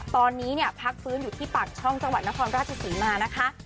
ตอนนี้เนี่ยพักฟื้นอยู่ที่ปากช่องจังหวัดนครราชศรีมานะคะ